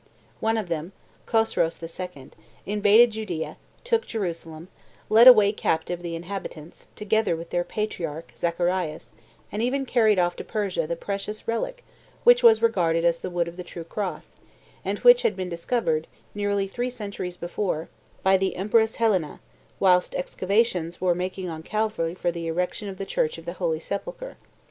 One of them, Khosroes II., invaded Judea, took Jerusalem, led away captive the inhabitants, together with their patriarch, Zacharias, and even carried off to Persia the precious relic which was regarded as the wood of the true cross, and which had been discovered, nearly three centuries before, by the Empress Helena, whilst excavations were making on Calvary for the erection of the church of the Holy Sepulchre.